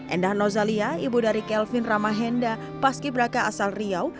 endah nozalia ibu dari kelvin ramahenda paski braka asal riau